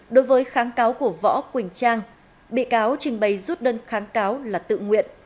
đối với kháng cáo của võ quỳnh trang bị cáo trình bày rút đơn kháng cáo là tự nguyện